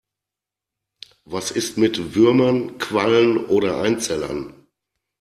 Was ist mit Würmern, Quallen oder Einzellern?